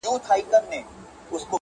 همدم نه سو د یو ښکلي د ښکلو انجمن کي,